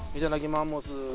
マンモス。